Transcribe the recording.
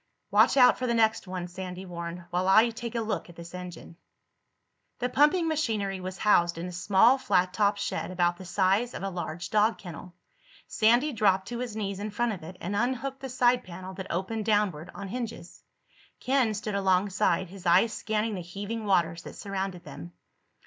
"Watch out for the next one," Sandy warned, "while I take a look at this engine." The pumping machinery was housed in a small flat topped shed about the size of a large dog kennel. Sandy dropped to his knees in front of it and unhooked the side panel that opened downward on hinges. Ken stood alongside, his eyes scanning the heaving waters that surrounded them.